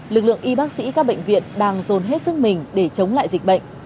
lực lượng y bác sĩ các bệnh viện đang dồn hết sức mình để chống lại dịch bệnh